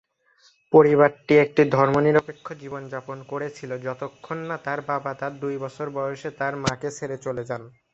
পরিবারটি একটি ধর্মনিরপেক্ষ জীবন যাপন করেছিল যতক্ষণ না তার বাবা তার দুই বছর বয়সে তার মাকে ছেড়ে চলে যান।